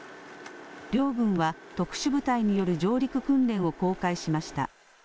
両軍は特殊部隊による上陸訓練を公開しました。